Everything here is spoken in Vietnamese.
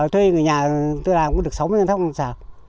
thuê người nhà tôi là cũng được sáu mươi cân thôi